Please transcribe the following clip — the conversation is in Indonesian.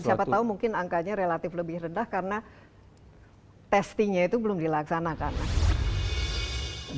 dan siapa tahu mungkin angkanya relatif lebih rendah karena testingnya itu belum dilaksanakan